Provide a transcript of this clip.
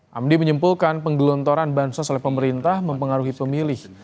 hamdi menyempulkan penggelontoran bantuan sosial oleh pemerintah mempengaruhi pemilih